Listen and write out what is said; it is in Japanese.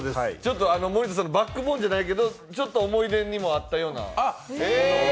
森田さんのバックボーンじゃないけど思い出にもあったような。